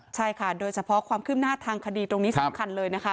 ใช่ค่ะโดยเฉพาะความคืบหน้าทางคดีตรงนี้สำคัญเลยนะคะ